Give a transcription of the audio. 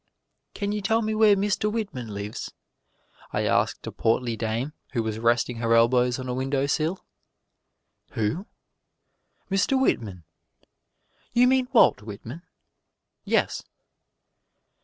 "Can you tell me where Mr. Whitman lives?" I asked a portly dame who was resting her elbows on a windowsill. "Who?" "Mr. Whitman!" "You mean Walt Whitman?" "Yes."